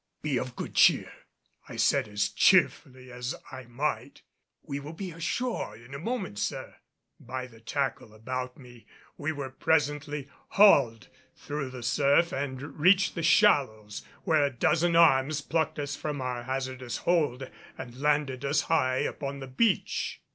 "Be of good cheer," I said as cheerfully as I might, "we will be ashore in a moment, sir." By the tackle about me, we were presently hauled through the surf and reached the shallows, where a dozen arms plucked us from our hazardous hold and landed us high upon the beach.